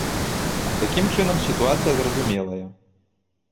Такім чынам, сітуацыя зразумелая.